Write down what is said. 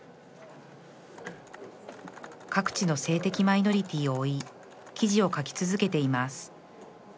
各地の性的マイノリティーを追い記事を書き続けています